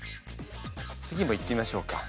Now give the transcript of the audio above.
次もいってみましょうか。